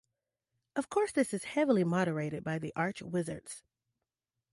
Of course this is heavily moderated by the Arch Wizards.